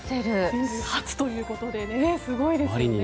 初ということですごいですよね。